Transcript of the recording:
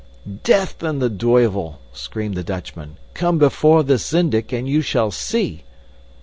"Death and the tuyvel!" screamed the Dutchman, "come before the Syndic and you shall see!"